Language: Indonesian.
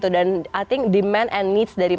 dan i think demand and needs dari masyarakat itu